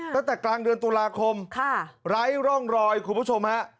ตั้งแต่กลางเดือนตุลาคมไร้ร่องรอยคุณผู้ชมฮะ